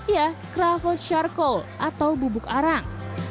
ya kroffle charcoal atau bubuk arang